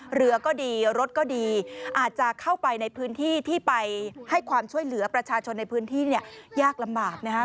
เหลือก็ดีรถก็ดีอาจจะเข้าไปในพื้นที่ที่ไปให้ความช่วยเหลือประชาชนในพื้นที่เนี่ยยากลำบากนะครับ